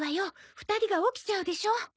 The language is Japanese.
２人が起きちゃうでしょ。